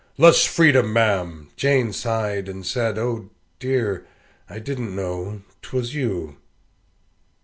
"Less freedom, ma'am!" Jane sighed and said, "Oh dear! I didn't know 'twas you!"